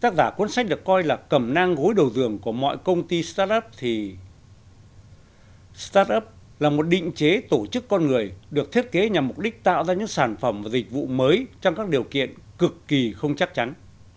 tác giả cuốn sách được coi là cầm nang gối đầu dường của mọi công ty start up thì start up là một định chế tổ chức con người được thiết kế nhằm mục đích tạo ra những sản phẩm và dịch vụ mới trong các điều kiện cực kỳ không chắc chắn